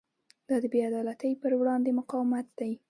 دا د بې عدالتۍ پر وړاندې مقاومت دی.